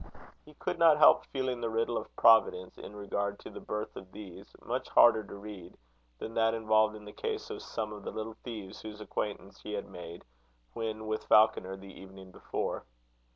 He could not help feeling the riddle of Providence in regard to the birth of these, much harder to read than that involved in the case of some of the little thieves whose acquaintance he had made, when with Falconer, the evening before.